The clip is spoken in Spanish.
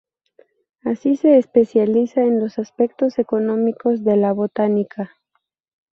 Así se especializa en los aspectos económicos de la botánica.